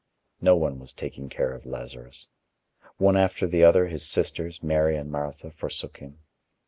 No one was taking care of Lazarus. One after the other, his sisters Mary and Martha forsook him.